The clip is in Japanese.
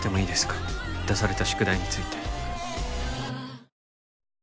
出された宿題について。